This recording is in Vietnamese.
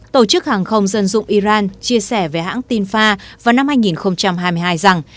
tổ chức hàng không dân dụng iran chia sẻ về hãng tin pha vào năm hai nghìn hai mươi hai rằng